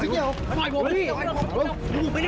อย่าได้กราบรอย